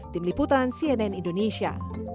tim liputan cnn indonesia